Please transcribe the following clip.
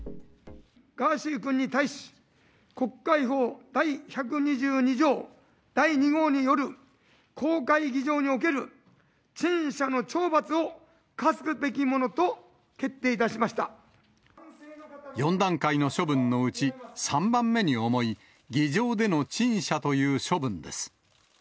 ガーシー君に対し、国会法第１２２条第２号による公開議場における陳謝の懲罰を科す４段階の処分のうち、３番目に重い議場での陳謝という処分です。